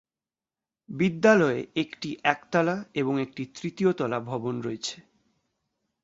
বিদ্যালয়ে একটি একতলা এবং একটি তৃতীয় তলা ভবন রয়েছে।